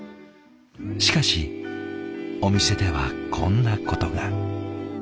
しかしお店ではこんなことが。